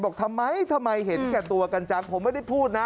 บอกทำไมทำไมเห็นแก่ตัวกันจังผมไม่ได้พูดนะ